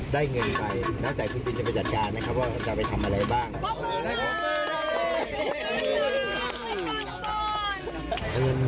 ได้เงินไปแล้วแต่คุณบินจะไปจัดการไหมครับว่าจะไปทำอะไรบ้าง